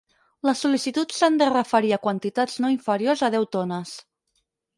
Les sol·licituds s'han de referir a quantitats no inferiors a deu tones.